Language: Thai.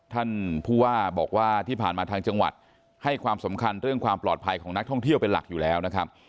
ท่านผู้ว่าบอกว่าที่ผ่านมาทางจังหวัดให้ความสำคัญเรื่องความปลอดภัยของนักท่องเที่ยวเป็นหลักอยู่แล้วนะครับ